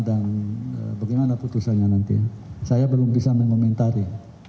dan bagaimana putusannya nanti ya saya belum bisa mengomentari